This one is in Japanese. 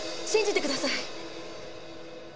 信じてください。